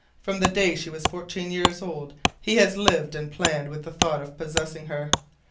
From the day she was fourteen years old he has lived and planned with the thought of possessing her.